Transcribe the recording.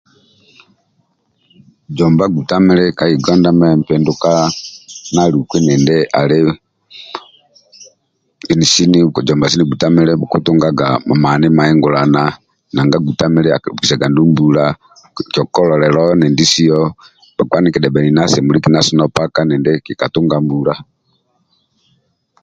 Zomba gbutuamili ka uganda me ndia liku andi zomba mili bhukutugaga mani ama igulana nanga gbutuamili akibikisaga andu bhula kyakulolelo enindi sio bhakpa ndiki dhabhani na semuliki nasono paka kika tunga mbula